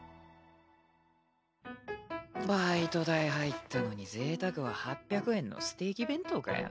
バイト代入ったのに贅沢は８００円のステーキ弁当かよ。